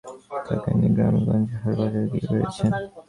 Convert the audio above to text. এঁরা শুধু গান রচনা করেই থেমে থাকেননি, গ্রামেগঞ্জে, হাটবাজারে গেয়ে বেড়িয়েছেন।